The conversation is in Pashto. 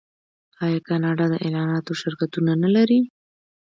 آیا کاناډا د اعلاناتو شرکتونه نلري؟